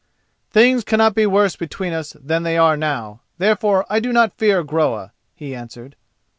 "Things cannot be worse between us than they are now, therefore I do not fear Groa," he answered.